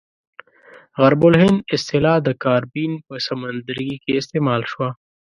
غرب الهند اصطلاح د کاربین په سمندرګي کې استعمال شوه.